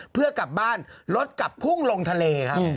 เพื่อกลับบ้านรถกลับพุ่งลงทะเลครับ